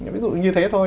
ví dụ như thế thôi